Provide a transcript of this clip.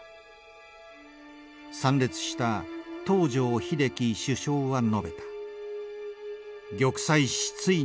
参列した東條英機首相は述べた。